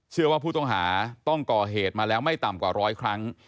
เชื่อว่าผู้ต้องหาต้องก่อเหตุมาแล้วไม่ต่ำกว่าร้อยครั้ง